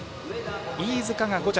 飯塚が５着。